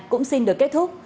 cũng xin được kết thúc